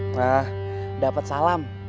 nah dapet salam